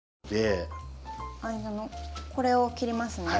間のこれを切りますね。